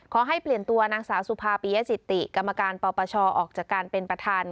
ขอให้เปลี่ยนตัวนางสาวสุภาปียสิติกรรมการปปชออกจากการเป็นประธาน